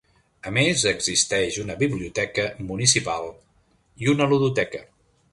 A més, existeix una biblioteca municipal i una ludoteca.